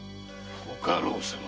ご家老様